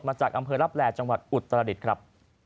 มาจากอำเผอร์รับแรจังหวัดอุตรฐรดิตครับ